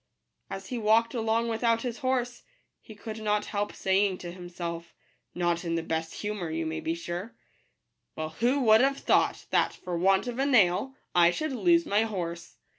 As he walked along without his horse, he could not help saying to Kimself, not in the best humour, you may be sure :" Well, who would have thought that, for want of a nail, I should lose my horse